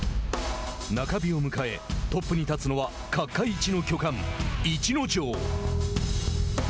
中日を迎え、トップに立つのは角界一の巨漢、逸ノ城。